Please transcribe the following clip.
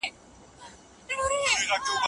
نړیوالې مرستې ځینې وخت لږې کېږي.